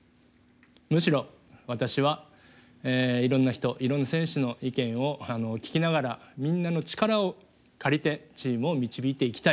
むしろ私はいろんな人いろんな選手の意見を聞きながらみんなの力を借りてチームを導いていきたい。